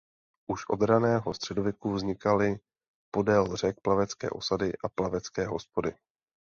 Už od raného středověku vznikaly podél řek plavecké osady a plavecké hospody.